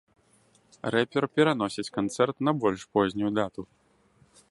Рэпер пераносіць канцэрт на больш познюю дату.